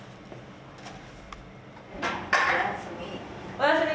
おやすみ。